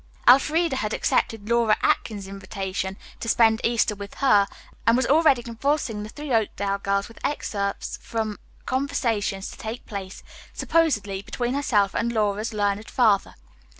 Elfreda had accepted Laura Atkins's invitation to spend Easter with her, and was already convulsing the three Oakdale girls with excerpts from conversations to take place, supposedly, between herself and Laura's learned father.